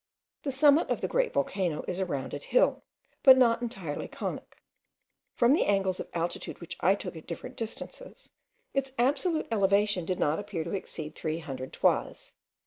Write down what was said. The summit of the great volcano is a rounded hill, but not entirely conic. From the angles of altitude which I took at different distances, its absolute elevation did not appear to exceed three hundred toises.